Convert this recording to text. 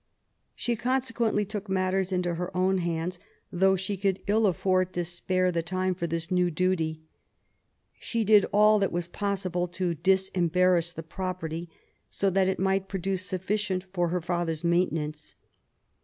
She consequently took matters into her own hands, though she could ill afibrd to spare tha 76 MABY W0LL8T0NECBAFT GODWIN. time for this new duty. She did all that was possible to disembarrass the property^ so that it might produce sufficient for her father's maintenance.